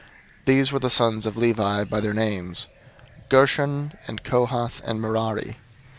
003:017 These were the sons of Levi by their names: Gershon, and Kohath, and Merari.